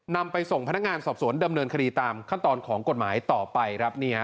นำไปส่งพนักงานสอบสวนดำเนินคดีตามขั้นตอนของกฎหมายต่อไปครับ